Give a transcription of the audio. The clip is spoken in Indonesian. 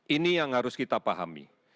ini yang harus kita pahami